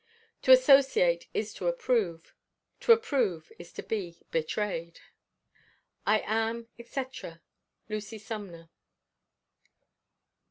To associate is to approve; to approve is to be betrayed. I am, &c., LUCY SUMNER.